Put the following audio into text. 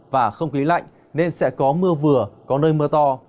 và không khí lạnh nên sẽ có mưa vừa có nơi mưa to